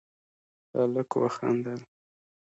هلک وخندل: